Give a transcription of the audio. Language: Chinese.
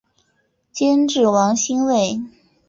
监制王心慰。